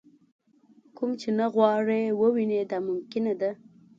کوم چې نه غواړئ ووینئ دا ممکنه ده.